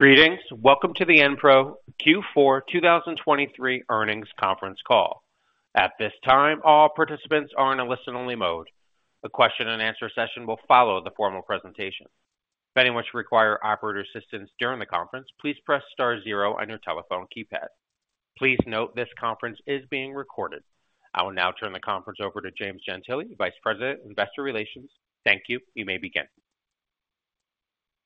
Greetings. Welcome to the Enpro Q4 2023 earnings conference call. At this time, all participants are in a listen-only mode. A question-and-answer session will follow the formal presentation. If anyone should require operator assistance during the conference, please press star zero on your telephone keypad. Please note this conference is being recorded. I will now turn the conference over to James Gentile, Vice President, Investor Relations. Thank you. You may begin.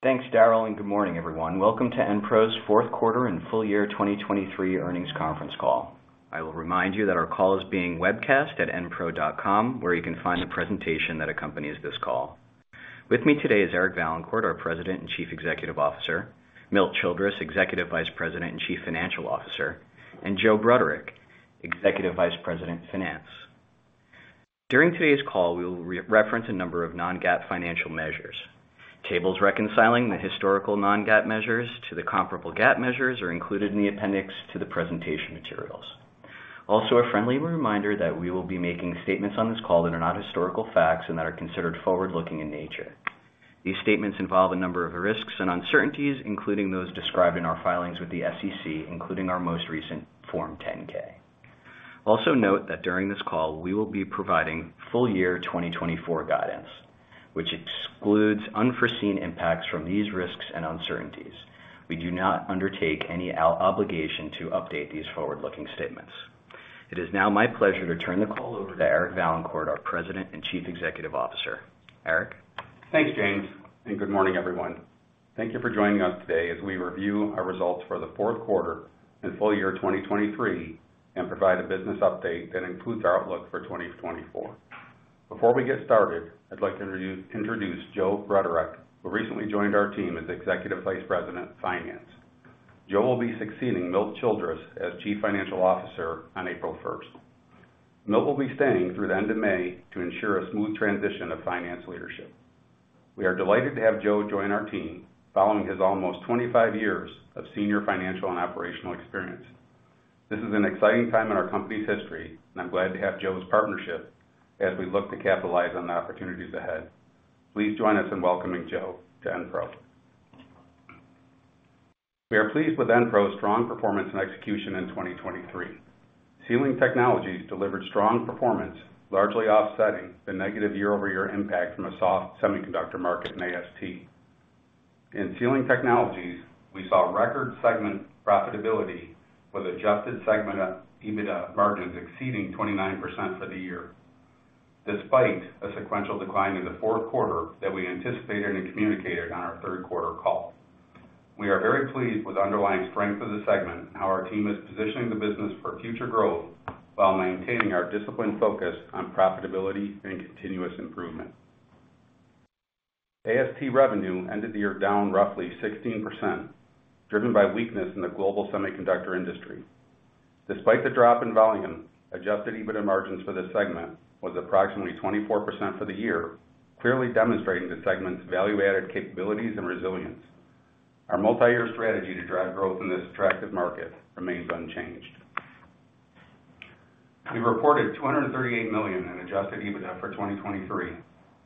Thanks, Jarle, and good morning, everyone. Welcome to Enpro's fourth quarter and full year 2023 earnings conference call. I will remind you that our call is being webcast at enpro.com, where you can find the presentation that accompanies this call. With me today is Eric Vaillancourt, our President and Chief Executive Officer; Milt Childress, Executive Vice President and Chief Financial Officer; and Joe Bruderek, Executive Vice President Finance. During today's call, we will re-reference a number of non-GAAP financial measures. Tables reconciling the historical non-GAAP measures to the comparable GAAP measures are included in the appendix to the presentation materials. Also, a friendly reminder that we will be making statements on this call that are not historical facts and that are considered forward-looking in nature. These statements involve a number of risks and uncertainties, including those described in our filings with the SEC, including our most recent Form 10-K. Also note that during this call, we will be providing full year 2024 guidance, which excludes unforeseen impacts from these risks and uncertainties. We do not undertake any obligation to update these forward-looking statements. It is now my pleasure to turn the call over to Eric Vaillancourt, our President and Chief Executive Officer. Eric? Thanks, James, and good morning, everyone. Thank you for joining us today as we review our results for the fourth quarter and full year 2023 and provide a business update that includes our outlook for 2024. Before we get started, I'd like to introduce Joe Bruderek, who recently joined our team as Executive Vice President Finance. Joe will be succeeding Milt Childress as Chief Financial Officer on April 1st. Milt will be staying through the end of May to ensure a smooth transition of finance leadership. We are delighted to have Joe join our team, following his almost 25 years of senior financial and operational experience. This is an exciting time in our company's history, and I'm glad to have Joe's partnership as we look to capitalize on the opportunities ahead. Please join us in welcoming Joe to Enpro. We are pleased with Enpro's strong performance and execution in 2023. Sealing Technologies delivered strong performance, largely offsetting the negative year-over-year impact from a soft semiconductor market in AST. In Sealing Technologies, we saw record segment profitability, with adjusted segment EBITDA margins exceeding 29% for the year, despite a sequential decline in the fourth quarter that we anticipated and communicated on our third quarter call. We are very pleased with underlying strength of the segment and how our team is positioning the business for future growth while maintaining our disciplined focus on profitability and continuous improvement. AST revenue ended the year down roughly 16%, driven by weakness in the global semiconductor industry. Despite the drop in volume, adjusted EBITDA margins for this segment was approximately 24% for the year, clearly demonstrating the segment's value-added capabilities and resilience. Our multi-year strategy to drive growth in this attractive market remains unchanged. We reported $238 million in adjusted EBITDA for 2023,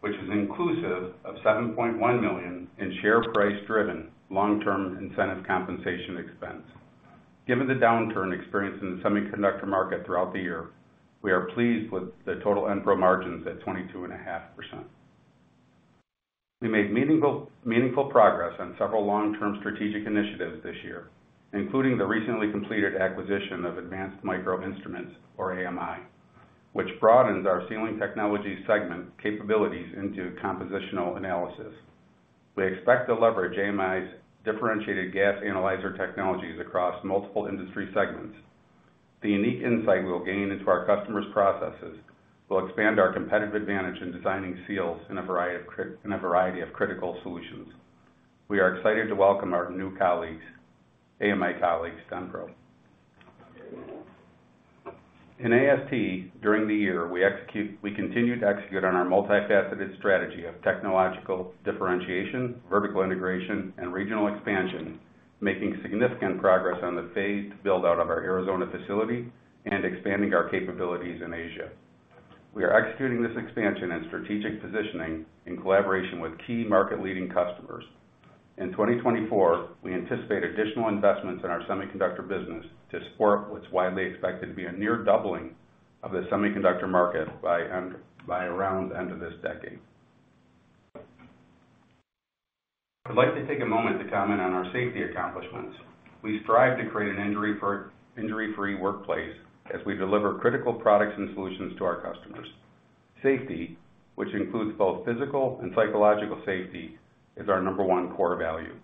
which is inclusive of $7.1 million in share-price-driven long-term incentive compensation expense. Given the downturn experienced in the semiconductor market throughout the year, we are pleased with the total Enpro margins at 22.5%. We made meaningful progress on several long-term strategic initiatives this year, including the recently completed acquisition of Advanced Micro Instruments, or AMI, which broadens our Sealing Technologies segment capabilities into compositional analysis. We expect to leverage AMI's differentiated gas analyzer technologies across multiple industry segments. The unique insight we'll gain into our customers' processes will expand our competitive advantage in designing seals in a variety of critical solutions. We are excited to welcome our new colleagues, AMI colleagues to Enpro. In AST, during the year, we continued to execute on our multifaceted strategy of technological differentiation, vertical integration, and regional expansion, making significant progress on the phased buildout of our Arizona facility and expanding our capabilities in Asia. We are executing this expansion and strategic positioning in collaboration with key market-leading customers. In 2024, we anticipate additional investments in our semiconductor business to support what's widely expected to be a near doubling of the semiconductor market around the end of this decade. I'd like to take a moment to comment on our safety accomplishments. We strive to create an injury-free workplace as we deliver critical products and solutions to our customers. Safety, which includes both physical and psychological safety, is our number one core value.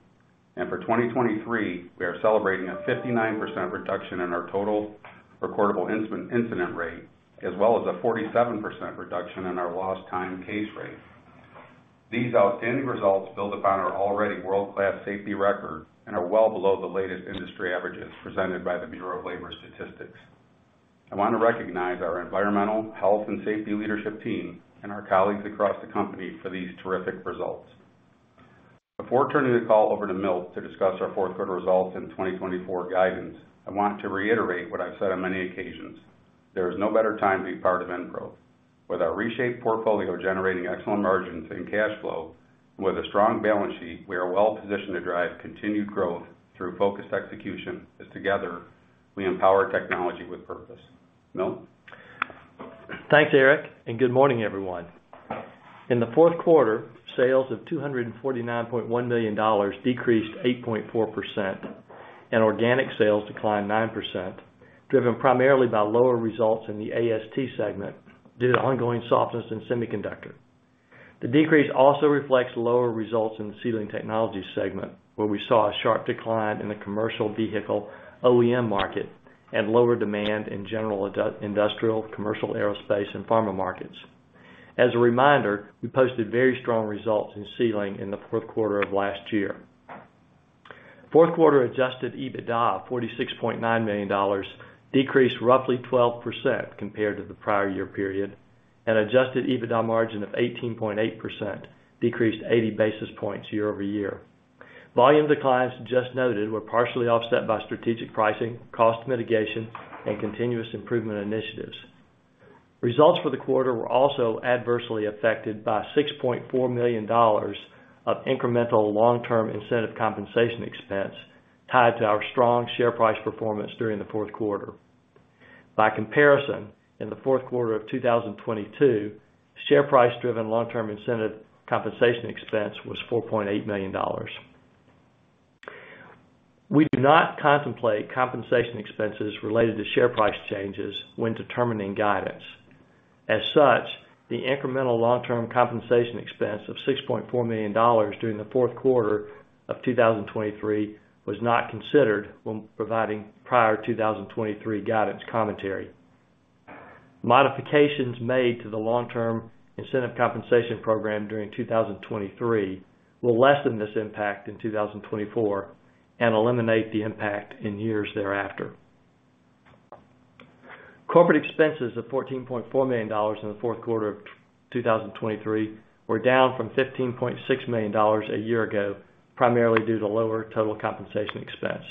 And for 2023, we are celebrating a 59% reduction in our total recordable incident rate, as well as a 47% reduction in our lost-time case rate. These outstanding results build upon our already world-class safety record and are well below the latest industry averages presented by the U.S. Bureau of Labor Statistics. I want to recognize our environmental, health, and safety leadership team and our colleagues across the company for these terrific results. Before turning the call over to Milt to discuss our fourth quarter results and 2024 guidance, I want to reiterate what I've said on many occasions: there is no better time to be part of Enpro. With our reshaped portfolio generating excellent margins and cash flow, and with a strong balance sheet, we are well positioned to drive continued growth through focused execution as, together, we empower technology with purpose. Milt? Thanks, Eric, and good morning, everyone. In the fourth quarter, sales of $249.1 million decreased 8.4%, and organic sales declined 9%, driven primarily by lower results in the AST segment due to ongoing softness in semiconductor. The decrease also reflects lower results in the Sealing Technologies segment, where we saw a sharp decline in the commercial vehicle OEM market and lower demand in general industrial, commercial aerospace, and pharma markets. As a reminder, we posted very strong results in Sealing in the fourth quarter of last year. Fourth quarter adjusted EBITDA of $46.9 million decreased roughly 12% compared to the prior year period, and adjusted EBITDA margin of 18.8% decreased 80 basis points year-over-year. Volume declines just noted were partially offset by strategic pricing, cost mitigation, and continuous improvement initiatives. Results for the quarter were also adversely affected by $6.4 million of incremental long-term incentive compensation expense tied to our strong share price performance during the fourth quarter. By comparison, in the fourth quarter of 2022, share price-driven long-term incentive compensation expense was $4.8 million. We do not contemplate compensation expenses related to share price changes when determining guidance. As such, the incremental long-term compensation expense of $6.4 million during the fourth quarter of 2023 was not considered when providing prior 2023 guidance commentary. Modifications made to the long-term incentive compensation program during 2023 will lessen this impact in 2024 and eliminate the impact in years thereafter. Corporate expenses of $14.4 million in the fourth quarter of 2023 were down from $15.6 million a year ago, primarily due to lower total compensation expense.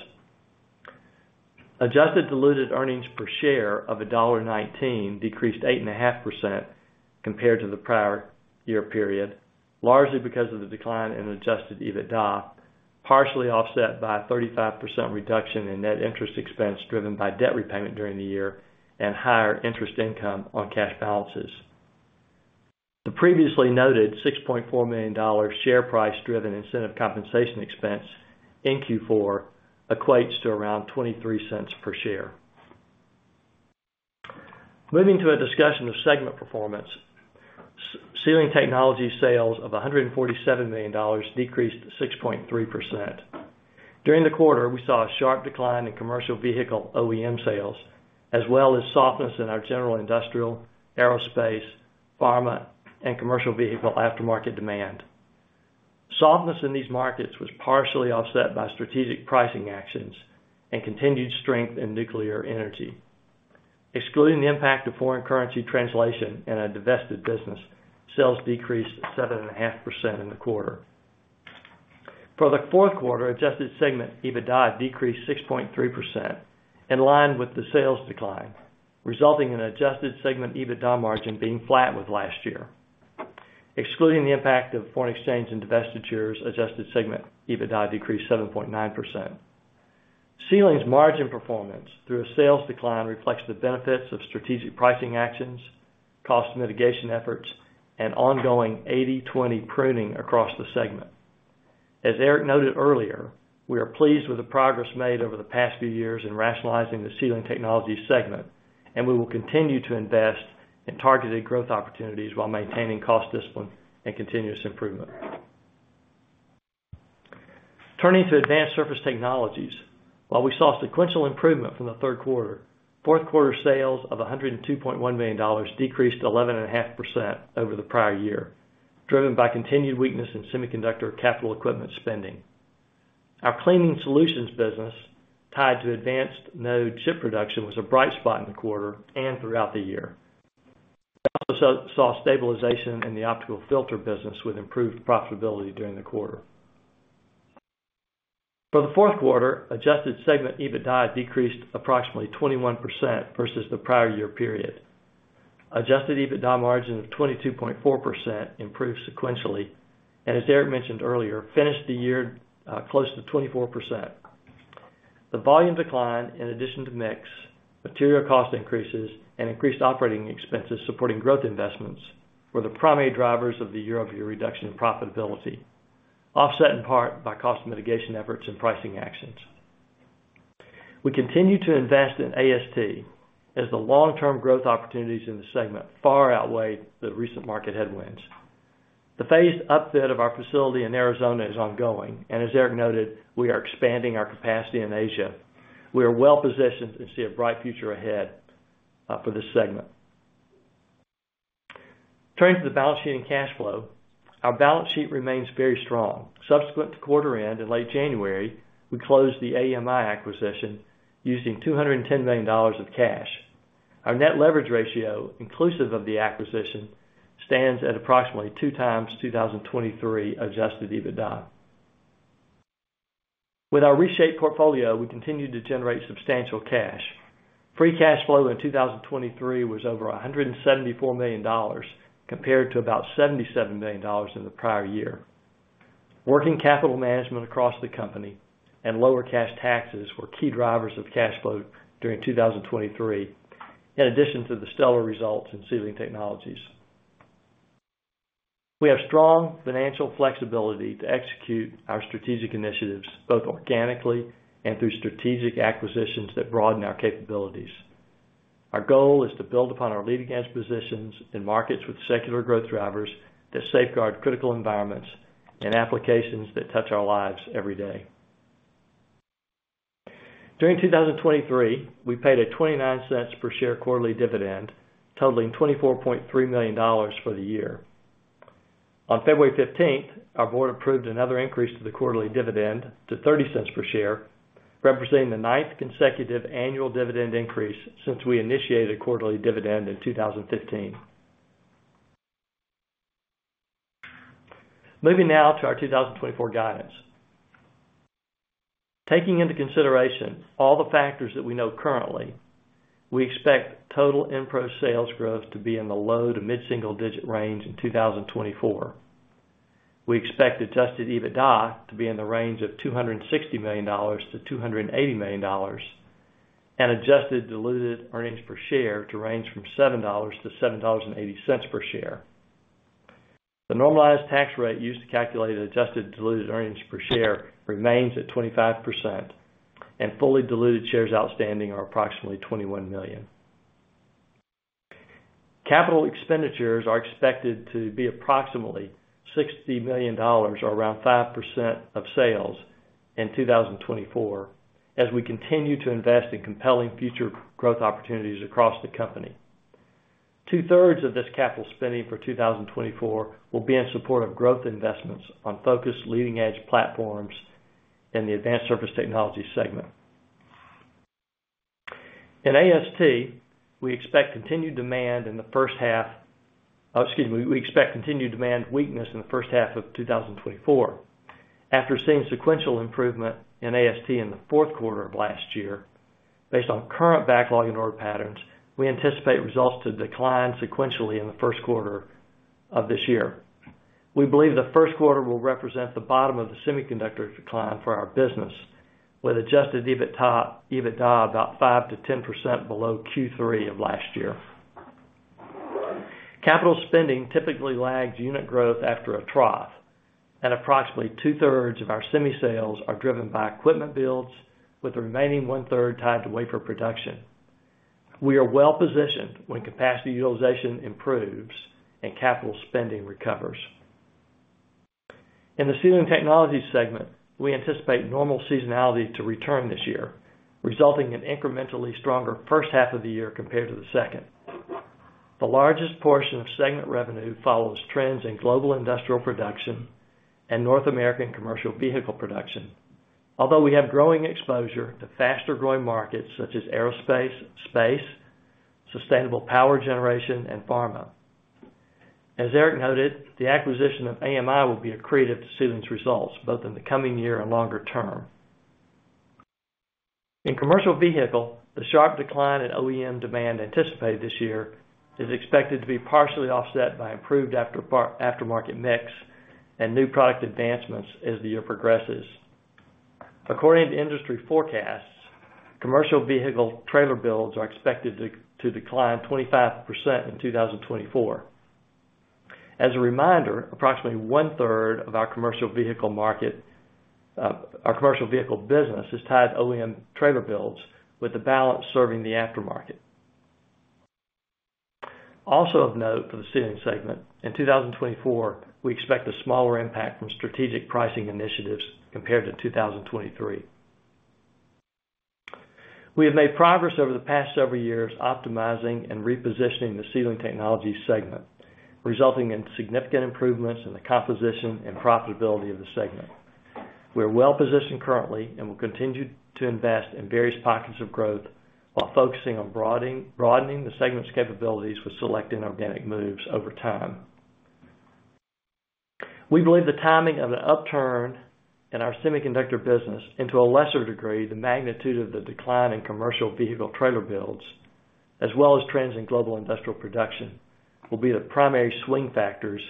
Adjusted Diluted Earnings Per Share of $1.19 decreased 8.5% compared to the prior year period, largely because of the decline in adjusted EBITDA, partially offset by a 35% reduction in net interest expense driven by debt repayment during the year and higher interest income on cash balances. The previously noted $6.4 million share price-driven incentive compensation expense in Q4 equates to around $0.23 per share. Moving to a discussion of segment performance, Sealing Technologies sales of $147 million decreased 6.3%. During the quarter, we saw a sharp decline in commercial vehicle OEM sales, as well as softness in our general industrial, aerospace, pharma, and commercial vehicle aftermarket demand. Softness in these markets was partially offset by strategic pricing actions and continued strength in nuclear energy. Excluding the impact of foreign currency translation and a divested business, sales decreased 7.5% in the quarter. For the fourth quarter, Adjusted Segment EBITDA decreased 6.3%, in line with the sales decline, resulting in an Adjusted Segment EBITDA margin being flat with last year. Excluding the impact of foreign exchange and divestitures, Adjusted Segment EBITDA decreased 7.9%. Sealing's margin performance through a sales decline reflects the benefits of strategic pricing actions, cost mitigation efforts, and ongoing 80/20 pruning across the segment. As Eric noted earlier, we are pleased with the progress made over the past few years in rationalizing the Sealing Technologies segment, and we will continue to invest in targeted growth opportunities while maintaining cost discipline and continuous improvement. Turning to Advanced Surface Technologies, while we saw sequential improvement from the third quarter, fourth quarter sales of $102.1 million decreased 11.5% over the prior year, driven by continued weakness in semiconductor capital equipment spending. Our cleaning solutions business tied to advanced node chip production was a bright spot in the quarter and throughout the year. We also saw stabilization in the optical filter business with improved profitability during the quarter. For the fourth quarter, Adjusted Segment EBITDA decreased approximately 21% versus the prior year period. Adjusted EBITDA margin of 22.4% improved sequentially and, as Eric mentioned earlier, finished the year close to 24%. The volume decline, in addition to mix, material cost increases, and increased operating expenses supporting growth investments were the primary drivers of the year-over-year reduction in profitability, offset in part by cost mitigation efforts and pricing actions. We continue to invest in AST as the long-term growth opportunities in the segment far outweigh the recent market headwinds. The phased upfit of our facility in Arizona is ongoing, and as Eric noted, we are expanding our capacity in Asia. We are well positioned and see a bright future ahead for this segment. Turning to the balance sheet and cash flow, our balance sheet remains very strong. Subsequent to quarter-end in late January, we closed the AMI acquisition using $210 million of cash. Our net leverage ratio, inclusive of the acquisition, stands at approximately two times 2023 adjusted EBITDA. With our reshaped portfolio, we continue to generate substantial cash. Free cash flow in 2023 was over $174 million compared to about $77 million in the prior year. Working capital management across the company and lower cash taxes were key drivers of cash flow during 2023, in addition to the stellar results in Sealing Technologies. We have strong financial flexibility to execute our strategic initiatives both organically and through strategic acquisitions that broaden our capabilities. Our goal is to build upon our leading edge positions in markets with secular growth drivers that safeguard critical environments and applications that touch our lives every day. During 2023, we paid a $0.29 per share quarterly dividend, totaling $24.3 million for the year. On February 15th, our board approved another increase to the quarterly dividend to $0.30 per share, representing the ninth consecutive annual dividend increase since we initiated quarterly dividend in 2015. Moving now to our 2024 guidance. Taking into consideration all the factors that we know currently, we expect total Enpro sales growth to be in the low to mid-single digit range in 2024. We expect adjusted EBITDA to be in the range of $260 million-$280 million, and Adjusted Diluted Earnings Per Share to range from $7-$7.80 per share. The normalized tax rate used to calculate Adjusted Diluted Earnings Per Share remains at 25%, and fully diluted shares outstanding are approximately 21 million. Capital expenditures are expected to be approximately $60 million or around 5% of sales in 2024 as we continue to invest in compelling future growth opportunities across the company. Two-thirds of this capital spending for 2024 will be in support of growth investments on focused leading edge platforms in the Advanced Surface Technologies segment. In AST, we expect continued demand in the first half oh, excuse me, we expect continued demand weakness in the first half of 2024. After seeing sequential improvement in AST in the fourth quarter of last year, based on current backlog and order patterns, we anticipate results to decline sequentially in the first quarter of this year. We believe the first quarter will represent the bottom of the semiconductor decline for our business, with adjusted EBITDA about 5%-10% below Q3 of last year. Capital spending typically lags unit growth after a trough, and approximately 2/3 of our semi-sales are driven by equipment builds, with the remaining 1/3 tied to wafer production. We are well positioned when capacity utilization improves and capital spending recovers. In the Sealing Technologies segment, we anticipate normal seasonality to return this year, resulting in incrementally stronger first half of the year compared to the second. The largest portion of segment revenue follows trends in global industrial production and North American commercial vehicle production, although we have growing exposure to faster-growing markets such as aerospace, space, sustainable power generation, and pharma. As Eric noted, the acquisition of AMI will be accretive to Sealing's results, both in the coming year and longer term. In commercial vehicle, the sharp decline in OEM demand anticipated this year is expected to be partially offset by improved aftermarket mix and new product advancements as the year progresses. According to industry forecasts, commercial vehicle trailer builds are expected to decline 25% in 2024. As a reminder, approximately 1/3 of our commercial vehicle business is tied to OEM trailer builds, with the balance serving the aftermarket. Also of note for the Sealing segment, in 2024, we expect a smaller impact from strategic pricing initiatives compared to 2023. We have made progress over the past several years optimizing and repositioning the Sealing Technologies segment, resulting in significant improvements in the composition and profitability of the segment. We are well positioned currently and will continue to invest in various pockets of growth while focusing on broadening the segment's capabilities with select inorganic moves over time. We believe the timing of an upturn in our semiconductor business, to a lesser degree the magnitude of the decline in commercial vehicle trailer builds, as well as trends in global industrial production, will be the primary swing factors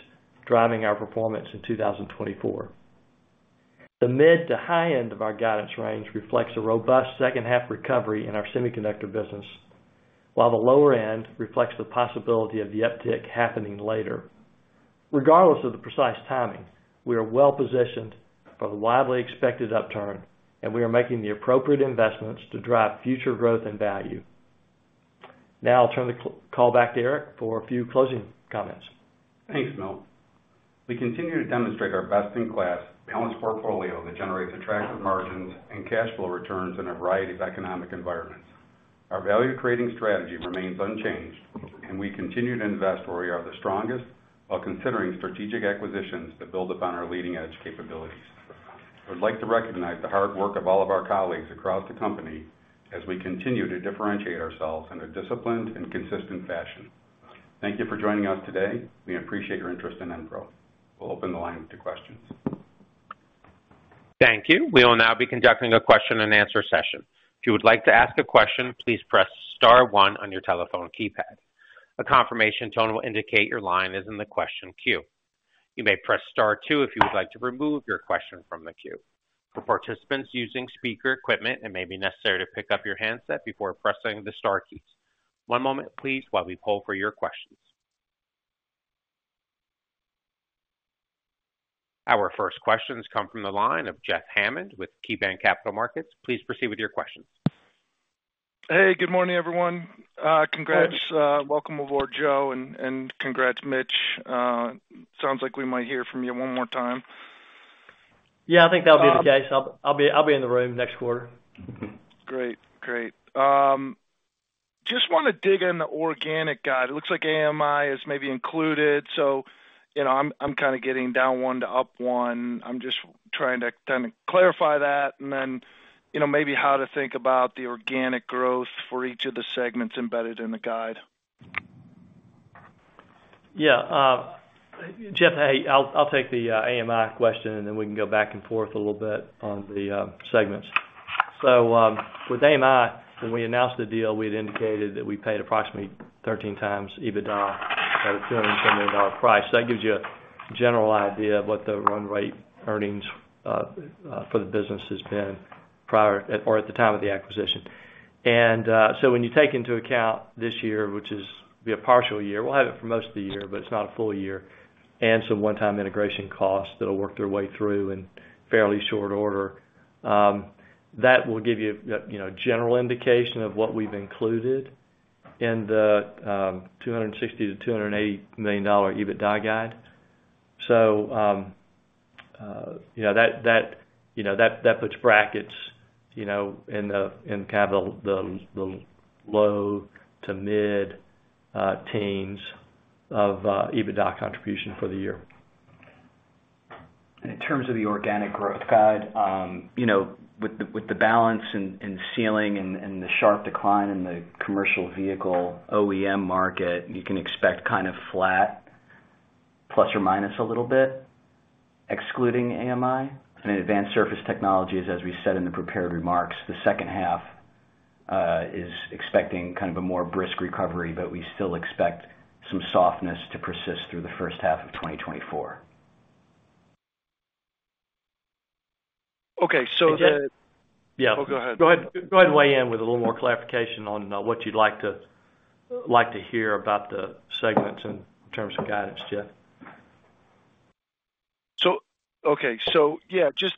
driving our performance in 2024. The mid to high end of our guidance range reflects a robust second half recovery in our semiconductor business, while the lower end reflects the possibility of the uptick happening later. Regardless of the precise timing, we are well positioned for the widely expected upturn, and we are making the appropriate investments to drive future growth and value. Now I'll turn the call back to Eric for a few closing comments. Thanks, Milt. We continue to demonstrate our best-in-class balanced portfolio that generates attractive margins and cash flow returns in a variety of economic environments. Our value-creating strategy remains unchanged, and we continue to invest where we are the strongest while considering strategic acquisitions to build upon our leading edge capabilities. I would like to recognize the hard work of all of our colleagues across the company as we continue to differentiate ourselves in a disciplined and consistent fashion. Thank you for joining us today. We appreciate your interest in Enpro. We'll open the line to questions. Thank you. We will now be conducting a question-and-answer session. If you would like to ask a question, please press star one on your telephone keypad. A confirmation tone will indicate your line is in the question queue. You may press star two if you would like to remove your question from the queue. For participants using speaker equipment, it may be necessary to pick up your handset before pressing the star keys. One moment, please, while we pull for your questions. Our first questions come from the line of Jeff Hammond with KeyBanc Capital Markets. Please proceed with your questions. Hey, good morning, everyone. Congrats. Welcome aboard, Joe, and congrats, Milt. Sounds like we might hear from you one more time. Yeah, I think that'll be the case. I'll be in the room next quarter. Great. Great. Just want to dig in the organic guide. It looks like AMI is maybe included, so I'm kind of getting down 1 to up 1. I'm just trying to clarify that and then maybe how to think about the organic growth for each of the segments embedded in the guide. Yeah. Jeff, hey, I'll take the AMI question, and then we can go back and forth a little bit on the segments. So with AMI, when we announced the deal, we had indicated that we paid approximately 13x EBITDA at a $220 million price. So that gives you a general idea of what the run rate earnings for the business has been prior or at the time of the acquisition. And so when you take into account this year, which will be a partial year we'll have it for most of the year, but it's not a full year and some one-time integration costs that'll work their way through in fairly short order, that will give you a general indication of what we've included in the $260-$280 million EBITDA guide. That puts brackets in kind of the low-to-mid teens of EBITDA contribution for the year. In terms of the organic growth guide, with the balance in Sealing and the sharp decline in the commercial vehicle OEM market, you can expect kind of flat, plus or minus a little bit, excluding AMI. In Advanced Surface Technologies, as we said in the prepared remarks, the second half is expecting kind of a more brisk recovery, but we still expect some softness to persist through the first half of 2024. Okay. So Is that? Yeah. Oh, go ahead. Go ahead. Go ahead, Ian, with a little more clarification on what you'd like to hear about the segments in terms of guidance, Jeff. Okay. So yeah, just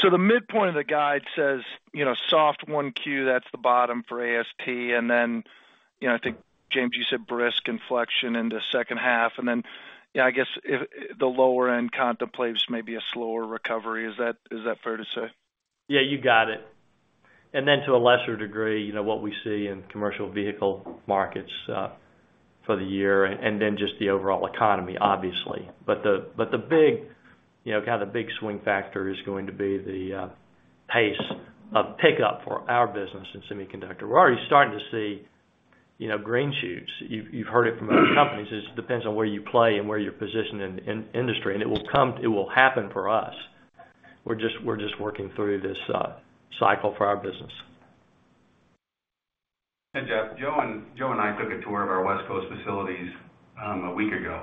so the midpoint of the guide says soft Q1, that's the bottom for AST. And then I think, James, you said brisk inflection into second half. And then I guess the lower end contemplates maybe a slower recovery. Is that fair to say? Yeah, you got it. And then to a lesser degree, what we see in commercial vehicle markets for the year and then just the overall economy, obviously. But the big kind of the big swing factor is going to be the pace of pickup for our business in semiconductor. We're already starting to see green shoots. You've heard it from other companies. It just depends on where you play and where you're positioned in the industry, and it will happen for us. We're just working through this cycle for our business. Hey, Jeff. Joe and I took a tour of our West Coast facilities a week ago,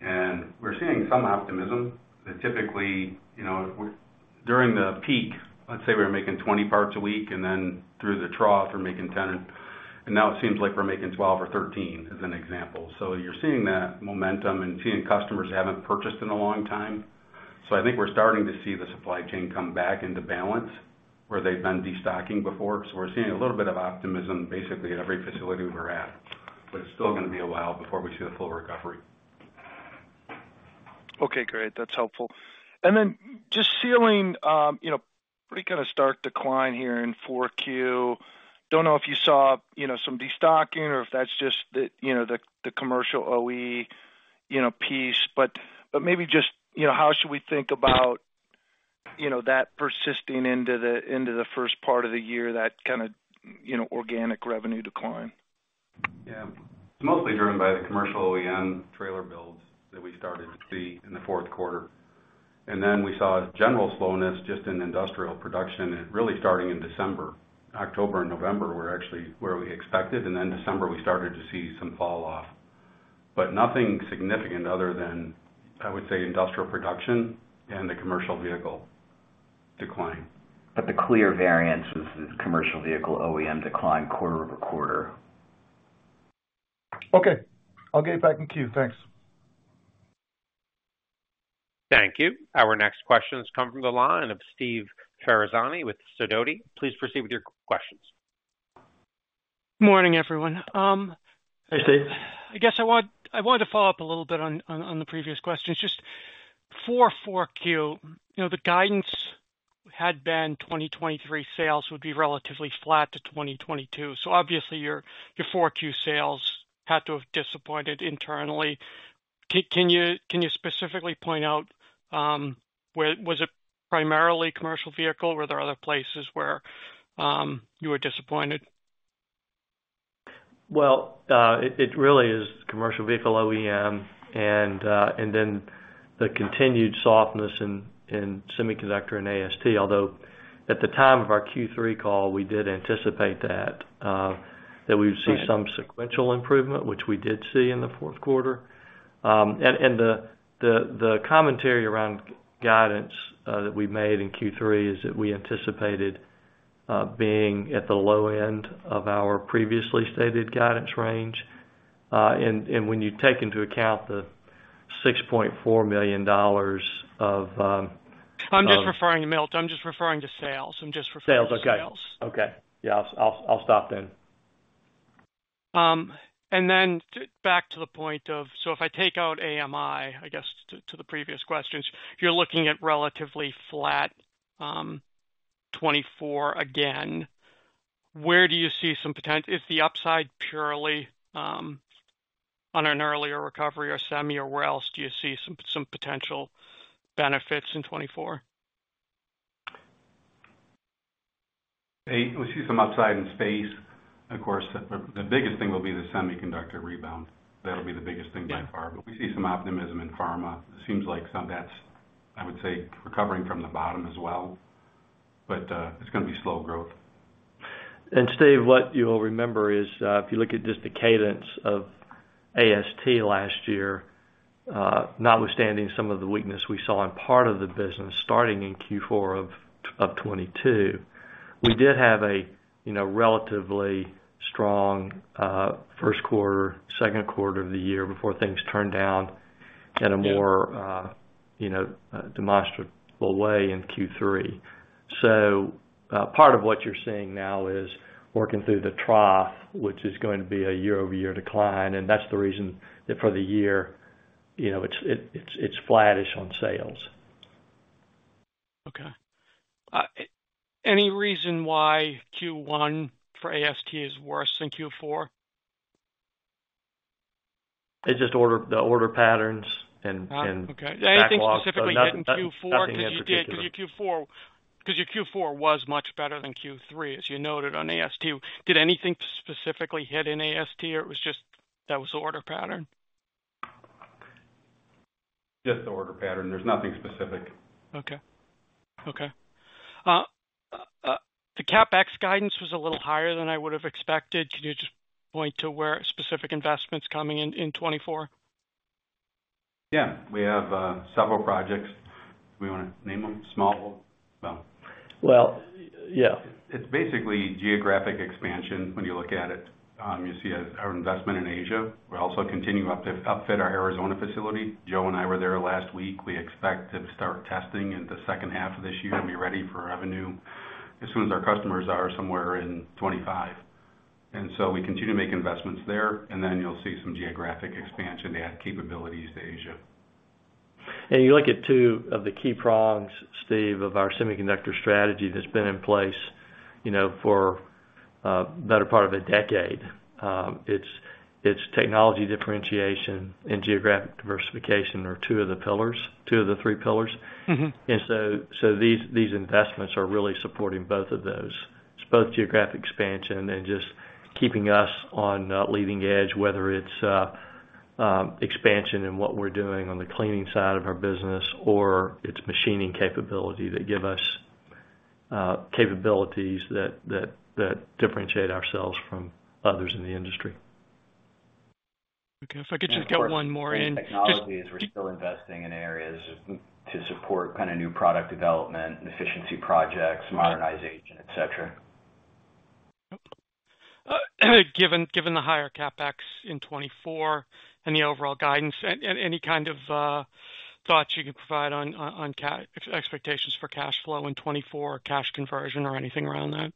and we're seeing some optimism that typically during the peak, let's say we were making 20 parts a week, and then through the trough, we're making 10. And now it seems like we're making 12 or 13, as an example. So you're seeing that momentum and seeing customers haven't purchased in a long time. So I think we're starting to see the supply chain come back into balance where they've been destocking before. So we're seeing a little bit of optimism, basically, at every facility we're at, but it's still going to be a while before we see the full recovery. Okay. Great. That's helpful. And then just Sealing, pretty kind of stark decline here in Q4. Don't know if you saw some destocking or if that's just the commercial OEM piece, but maybe just how should we think about that persisting into the first part of the year, that kind of organic revenue decline? Yeah. It's mostly driven by the commercial OEM trailer builds that we started to see in the fourth quarter. And then we saw general slowness just in industrial production, really starting in December, October and November, where we expected. And then December, we started to see some falloff, but nothing significant other than, I would say, industrial production and the commercial vehicle decline. But the clear variance was the commercial vehicle OEM decline quarter-over-quarter. Okay. I'll get it back in queue. Thanks. Thank you. Our next questions come from the line of Steve Ferrazzani with Sidoti. Please proceed with your questions. Good morning, everyone. Hey, Steve. I guess I wanted to follow up a little bit on the previous questions. Just for Q4, the guidance had been 2023 sales would be relatively flat to 2022. So obviously, your Q4 sales had to have disappointed internally. Can you specifically point out was it primarily commercial vehicle? Were there other places where you were disappointed? Well, it really is commercial vehicle OEM and then the continued softness in semiconductor and AST. Although at the time of our Q3 call, we did anticipate that we would see some sequential improvement, which we did see in the fourth quarter. The commentary around guidance that we made in Q3 is that we anticipated being at the low end of our previously stated guidance range. When you take into account the $6.4 million of. I'm just referring, Milt. I'm just referring to sales. I'm just referring to sales. Sales. Okay. Okay. Yeah, I'll stop then. Then back to the point of so if I take out AMI, I guess, to the previous questions, you're looking at relatively flat 2024 again. Where do you see some potential? Is the upside purely on an earlier recovery or semi, or where else do you see some potential benefits in 2024? We see some upside in space. Of course, the biggest thing will be the semiconductor rebound. That'll be the biggest thing by far. But we see some optimism in pharma. It seems like that's, I would say, recovering from the bottom as well, but it's going to be slow growth. And Steve, what you'll remember is if you look at just the cadence of AST last year, notwithstanding some of the weakness we saw in part of the business starting in Q4 of 2022, we did have a relatively strong first quarter, second quarter of the year before things turned down in a more demonstrable way in Q3. So part of what you're seeing now is working through the trough, which is going to be a year-over-year decline. And that's the reason that for the year, it's flat-ish on sales. Okay. Any reason why Q1 for AST is worse than Q4? It's just the order patterns and backlog. Okay. Anything specifically hit in Q4? Because your Q4 was much better than Q3, as you noted on AST. Did anything specifically hit in AST, or that was the order pattern? Just the order pattern. There's nothing specific. Okay. Okay. The Capex guidance was a little higher than I would have expected. Can you just point to specific investments coming in 2024? Yeah. We have several projects. Do we want to name them? Small? Well. Well, yeah. It's basically geographic expansion when you look at it. You see our investment in Asia. We also continue to upfit our Arizona facility. Joe and I were there last week. We expect to start testing in the second half of this year and be ready for revenue as soon as our customers are somewhere in 2025. And so we continue to make investments there, and then you'll see some geographic expansion to add capabilities to Asia. You look at two of the key prongs, Steve, of our semiconductor strategy that's been in place for a better part of a decade. It's technology differentiation and geographic diversification are two of the three pillars. And so these investments are really supporting both of those. It's both geographic expansion and just keeping us on the leading edge, whether it's expansion in what we're doing on the cleaning side of our business or it's machining capability that give us capabilities that differentiate ourselves from others in the industry. Okay. If I could just get one more in. Technology is, we're still investing in areas to support kind of new product development, efficiency projects, modernization, etc. Given the higher Capex in 2024 and the overall guidance, any kind of thoughts you can provide on expectations for cash flow in 2024, cash conversion, or anything around that?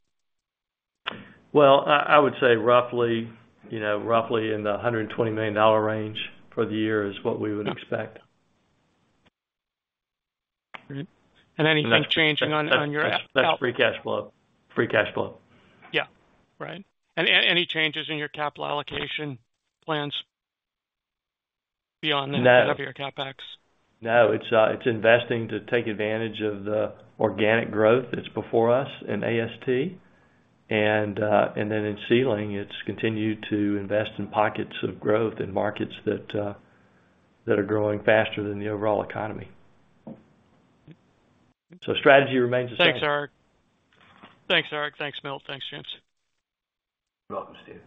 Well, I would say roughly in the $120 million range for the year is what we would expect. Great. And anything changing on your. That's Free Cash Flow. Free Cash Flow. Yeah. Right. And any changes in your capital allocation plans beyond the head of your Capex? No. It's investing to take advantage of the organic growth that's before us in AST. And then in Sealing, it's continued to invest in pockets of growth in markets that are growing faster than the overall economy. So strategy remains the same. Thanks, Eric. Thanks, Eric. Thanks, Milt. Thanks, James. You're welcome, Steve.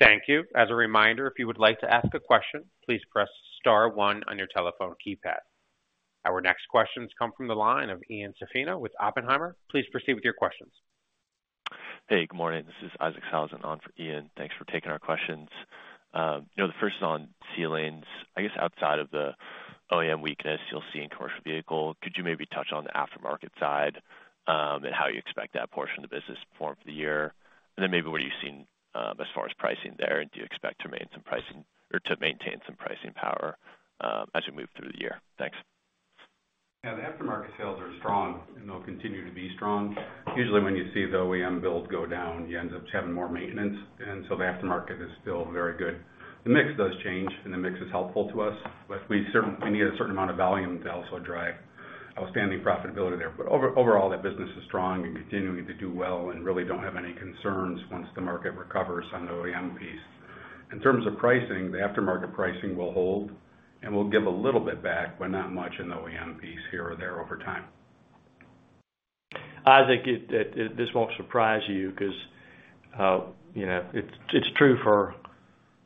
Thank you. As a reminder, if you would like to ask a question, please press star one on your telephone keypad. Our next questions come from the line of Ian Zaffino with Oppenheimer. Please proceed with your questions. Hey. Good morning. This is Isaac Sellhausen on for Ian. Thanks for taking our questions. The first is on Sealing. I guess outside of the OEM weakness you'll see in commercial vehicle, could you maybe touch on the aftermarket side and how you expect that portion of the business to perform for the year? And then maybe what are you seeing as far as pricing there, and do you expect to maintain some pricing power as we move through the year? Thanks. Yeah. The aftermarket sales are strong, and they'll continue to be strong. Usually, when you see the OEM builds go down, you end up having more maintenance. And so the aftermarket is still very good. The mix does change, and the mix is helpful to us, but we need a certain amount of volume to also drive outstanding profitability there. But overall, that business is strong and continuing to do well and really don't have any concerns once the market recovers on the OEM piece. In terms of pricing, the aftermarket pricing will hold, and we'll give a little bit back, but not much, in the OEM piece here or there over time. Isaac, this won't surprise you because it's true for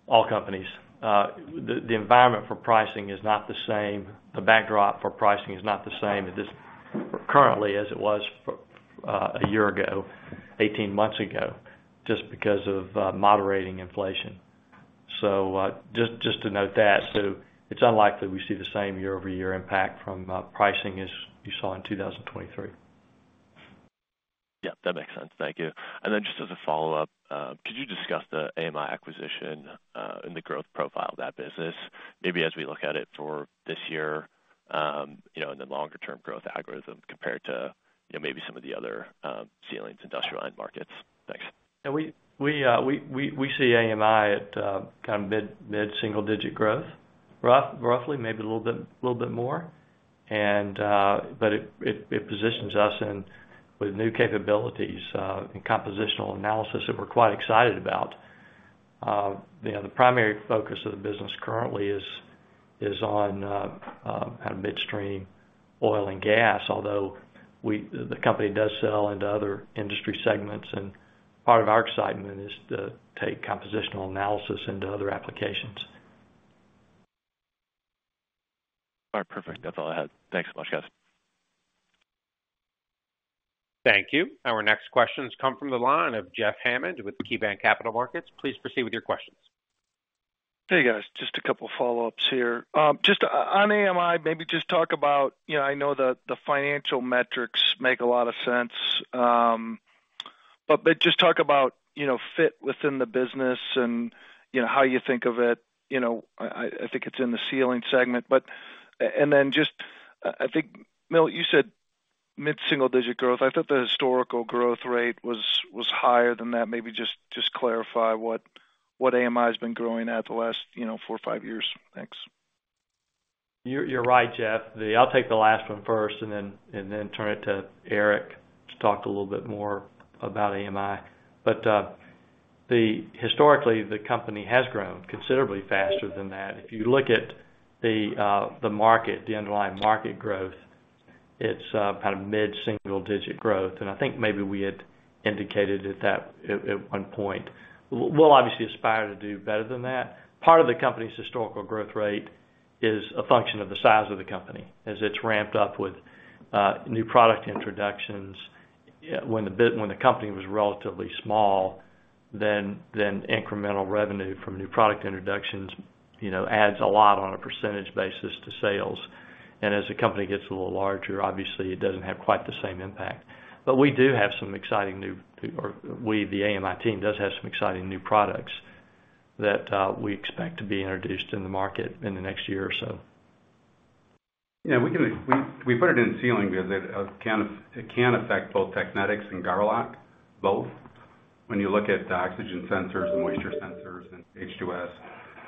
all companies. The environment for pricing is not the same. The backdrop for pricing is not the same currently as it was a year ago, 18 months ago, just because of moderating inflation. So just to note that. So it's unlikely we see the same year-over-year impact from pricing as you saw in 2023. Yeah. That makes sense. Thank you. And then just as a follow-up, could you discuss the AMI acquisition and the growth profile of that business, maybe as we look at it for this year and the longer-term growth algorithm compared to maybe some of the other sealing, industrialized markets? Thanks. Yeah. We see AMI at kind of mid-single-digit growth, roughly, maybe a little bit more. But it positions us with new capabilities in compositional analysis that we're quite excited about. The primary focus of the business currently is on kind of midstream oil and gas, although the company does sell into other industry segments. And part of our excitement is to take compositional analysis into other applications. All right. Perfect. That's all I had. Thanks so much, guys. Thank you. Our next questions come from the line of Jeff Hammond with KeyBanc Capital Markets. Please proceed with your questions. Hey, guys. Just a couple of follow-ups here. Just on AMI, maybe just talk about. I know the financial metrics make a lot of sense, but just talk about fit within the business and how you think of it. I think it's in the Sealing segment. And then just I think, Milt, you said mid-single-digit growth. I thought the historical growth rate was higher than that. Maybe just clarify what AMI has been growing at the last four or five years. Thanks. You're right, Jeff. I'll take the last one first and then turn it to Eric to talk a little bit more about AMI. But historically, the company has grown considerably faster than that. If you look at the underlying market growth, it's kind of mid-single-digit growth. And I think maybe we had indicated at that at one point. We'll obviously aspire to do better than that. Part of the company's historical growth rate is a function of the size of the company as it's ramped up with new product introductions. When the company was relatively small, then incremental revenue from new product introductions adds a lot on a percentage basis to sales. And as the company gets a little larger, obviously, it doesn't have quite the same impact. We, the AMI team, does have some exciting new products that we expect to be introduced in the market in the next year or so. We put it in Sealing because it can affect both Technetics and Garlock, both. When you look at the Oxygen Sensors and Moisture Analyzers and H2S,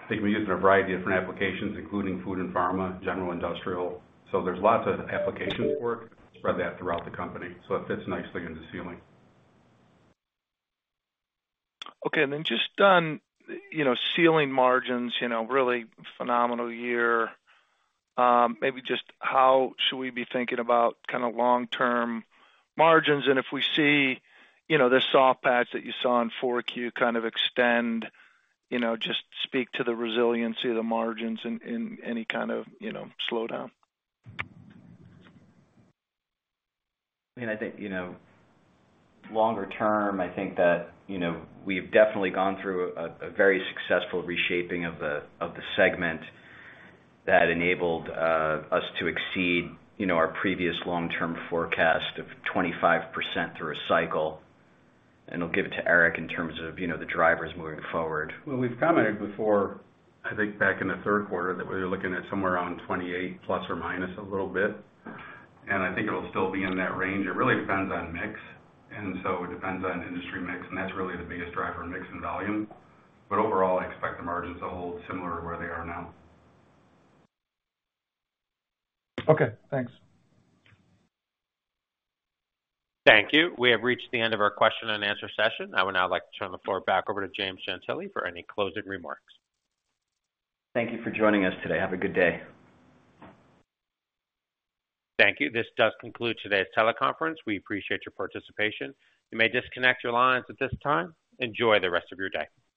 they can be used in a variety of different applications, including food and pharma, General Industrial. So there's lots of applications for it. Spread that throughout the company so it fits nicely into Sealing. Okay. And then just on Sealing margins, really phenomenal year. Maybe just how should we be thinking about kind of long-term margins? And if we see the soft patch that you saw in Q4 kind of extend, just speak to the resiliency of the margins in any kind of slowdown. I mean, I think longer term, I think that we've definitely gone through a very successful reshaping of the segment that enabled us to exceed our previous long-term forecast of 25% through a cycle. And I'll give it to Eric in terms of the drivers moving forward. Well, we've commented before, I think back in the third quarter, that we were looking at somewhere around 28 ± a little bit. I think it'll still be in that range. It really depends on mix. So it depends on industry mix. That's really the biggest driver, mix and volume. But overall, I expect the margins to hold similar to where they are now. Okay. Thanks. Thank you. We have reached the end of our question-and-answer session. I would now like to turn the floor back over to James Gentile for any closing remarks. Thank you for joining us today. Have a good day. Thank you. This does conclude today's teleconference. We appreciate your participation. You may disconnect your lines at this time. Enjoy the rest of your day.